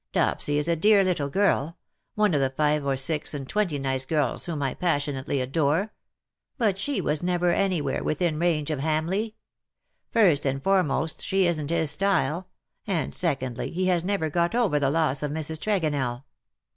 Dopsy is a dear little girl — one of the five or six and twenty nice girls whom I passionately adore ; but she was never anywhere within range of Hamleigh. First and foremost she isn't his style, and secondly he has never got over the loss of Mrs. Tregonell.